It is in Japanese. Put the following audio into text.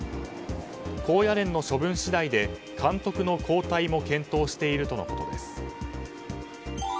高野連の処分次第で監督の交代も検討しているとのことです。